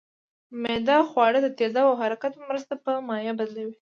معده خواړه د تیزابو او حرکت په مرسته په مایع بدلوي